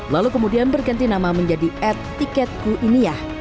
lalu kemudian berganti nama menjadi at tiketku ini ya